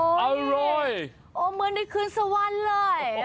มันเหมือนได้คืนสวรรค์เลย